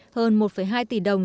hơn một hai tỷ đồng